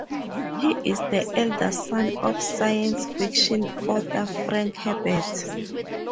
He is the elder son of science fiction author Frank Herbert.